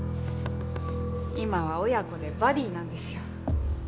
今は親子でバディなんですよ。